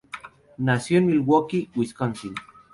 Nació en Milwaukee, Wisconsin.